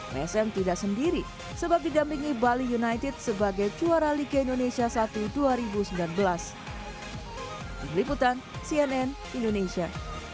satu psm tidak sendiri sebab didampingi bali united sebagai juara liga indonesia satu dua ribu sembilan belas berliputan cnn indonesia